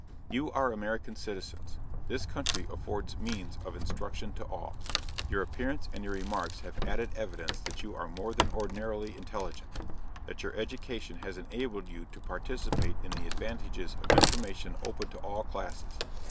You are American citizens this country affords means of instruction to all: your appearance and your remarks have added evidence that you are more than ordinarily intelligent; that your education has enabled you to participate in the advantages of information open to all classes.